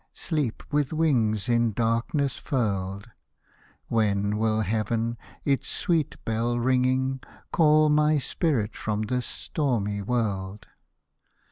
Sleep, with wings in darkness furled ? When will heaven, its sweet bell ringing, Call my spirit from this stormy world